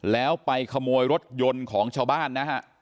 แล้วไปขโมยรถยนต์ของชาวบ้านนะฮะ